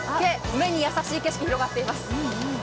目に優しい景色が広がっています。